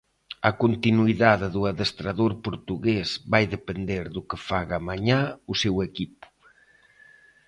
A continuidade do adestrador portugués vai depender do que faga mañá o seu equipo.